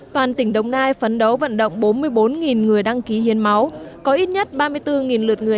toàn tỉnh đồng nai phấn đấu vận động bốn mươi bốn người đăng ký hiến máu có ít nhất ba mươi bốn lượt người